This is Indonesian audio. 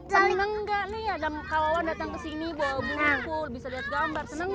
seneng gak nih ada kawan datang kesini bawa buku bisa lihat gambar seneng gak